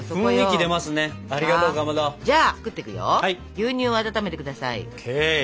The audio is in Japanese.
牛乳を温めて下さい。ＯＫ。